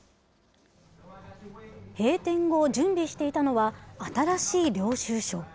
閉店後、準備していたのは新しい領収書。